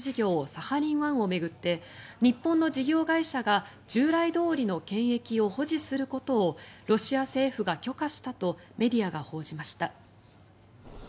サハリン１を巡って日本の事業会社が従来どおりの権益を保持することをロシア政府が許可したとメディアが報じました。